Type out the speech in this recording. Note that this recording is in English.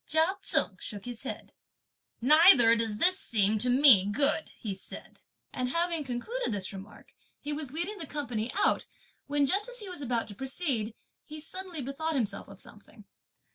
Chia Cheng shook his head. "Neither does this seem to me good!" he said; and having concluded this remark he was leading the company out, when just as he was about to proceed, he suddenly bethought himself of something.